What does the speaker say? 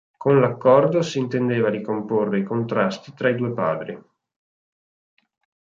Con l'accordo, si intendeva ricomporre i contrasti tra i due padri.